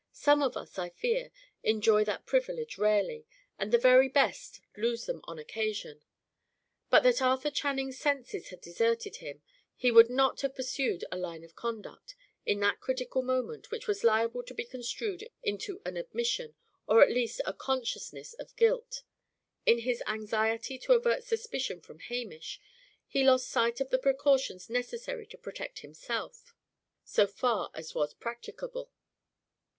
Some of us, I fear, enjoy that privilege rarely, and the very best lose them on occasion. But that Arthur Channing's senses had deserted him, he would not have pursued a line of conduct, in that critical moment, which was liable to be construed into an admission, or, at least, a consciousness of guilt. In his anxiety to avert suspicion from Hamish, he lost sight of the precautions necessary to protect himself, so far as was practicable.